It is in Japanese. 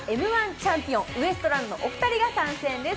チャンピオン、ウエストランドのお二人が参戦です。